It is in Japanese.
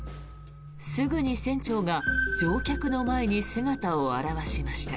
すぐに船長が乗客の前に姿を現しました。